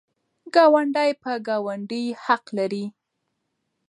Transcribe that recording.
ګاونډی په ګاونډي حق لري.